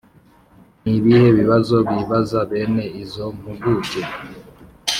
Nibihe bibazo zibaza bene izo mpuguke